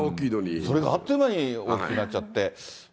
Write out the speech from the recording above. それがあっという間に大きくなっちゃって。